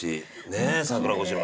ねえ桜越しの。